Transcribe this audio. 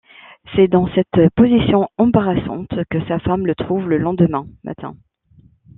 C’est dans cette position embarrassante que sa femme le trouve le lendemain matin.